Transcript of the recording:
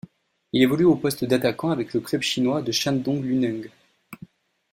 Il évolue au poste d'attaquant avec le club chinois de Shandong Luneng.